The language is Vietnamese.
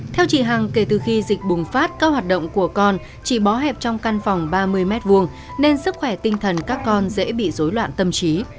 theo chị hằng kể từ khi dịch bùng phát các hoạt động của con chỉ bó hẹp trong căn phòng ba mươi m hai nên sức khỏe tinh thần các con dễ bị dối loạn tâm trí